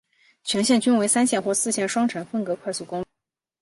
全线均为三线或四线双程分隔快速公路。